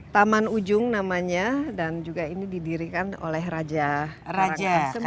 taman ujung namanya dan juga ini didirikan oleh raja karangasem